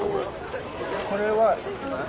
これは。